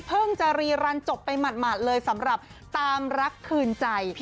จะรีรันจบไปหมาดเลยสำหรับตามรักคืนใจ